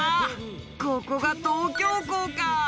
ここが東京港か。